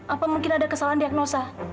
apa mungkin ada kesalahan diagnosa